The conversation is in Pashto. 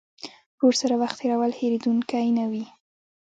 ورور سره وخت تېرول هېرېدونکی نه وي.